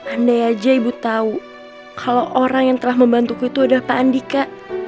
andai aja ibu tahu kalau orang yang telah membantuku itu adalah pak andika